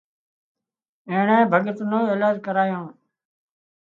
اينڻي ڀڳت نو ايلاز ڪرايو